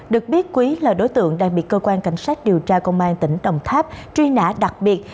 được biết quý là đối tượng đang bị cơ quan cảnh sát điều tra công an tỉnh đồng tháp truy nã đặc biệt